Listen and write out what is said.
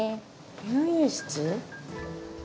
入院室？